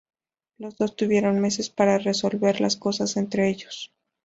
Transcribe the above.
Los dos tuvieron meses para resolver las cosas entre ellos.